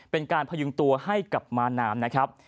เป็นการพยุงตัวให้กับมานามนะครับ